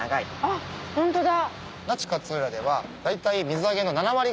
あっホントだ。